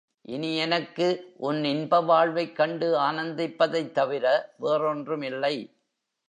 இனி எனக்கு உன் இன்ப வாழ்வைக் கண்டு ஆனந்திப்பதைத் தவிர வேறொன்றுமில்லை.